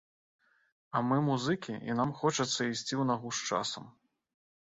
А мы музыкі, і нам хочацца ісці ў нагу з часам.